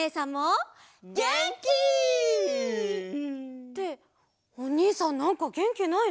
っておにいさんなんかげんきないね。